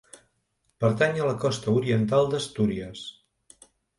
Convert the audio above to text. Pertany a la Costa oriental d'Astúries.